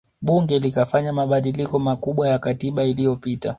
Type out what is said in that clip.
Bunge likafanya mabadiliko makubwa ya katiba iliyopita